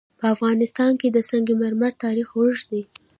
په افغانستان کې د سنگ مرمر تاریخ اوږد دی.